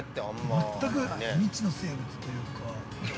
◆全く、未知の生物というか。